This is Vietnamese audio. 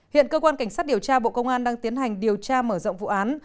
hiện cơ quan cảnh sát điều tra bộ công an đang tiến hành điều tra mở rộng vụ án